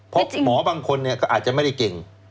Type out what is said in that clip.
เพราะหมอบางคนก็อาจจะไม่ได้เก่ง